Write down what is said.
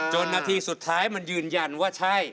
นาทีสุดท้ายมันยืนยันว่าใช่